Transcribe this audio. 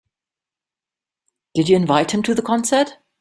Did you invite him to the concert?